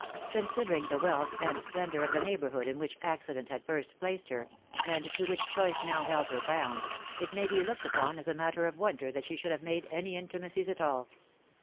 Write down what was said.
Considering the wealth and splendour of the neighbourhood in which accident had first placed her, and to which choice now held her bound, it may be looked upon as a matter of wonder that she should have made any intimacies at all.